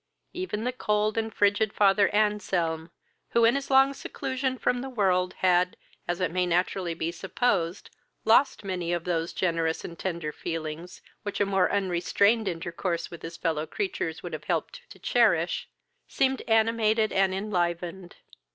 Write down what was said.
Even the cold and frigid father Anselm, who, in his long seclusion from the world, had, as it may naturally be supposed, lost many of those generous and tender feelings which a more unrestrained intercourse with his fellow creatures would have helped to cherish, seemed animated and enlivened.